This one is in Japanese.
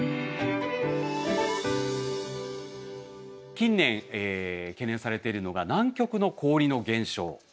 近年懸念されているのが南極の氷の減少です。